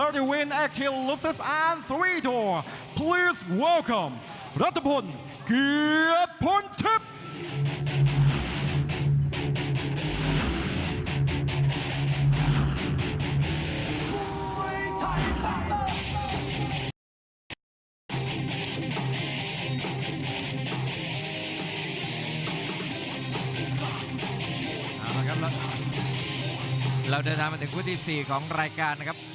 รับทราบรับทราบรับทราบ